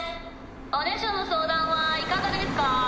おねしょのそうだんはいかがですか」。